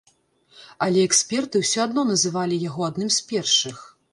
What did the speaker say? Але эксперты ўсё адно называлі яго адным з першых.